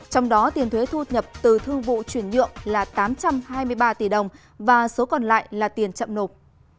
trong đó tiền thuế thu nhập từ thương vụ chuyển nhượng là tám trăm hai mươi ba tỷ đồng và số còn lại là tiền chậm nộp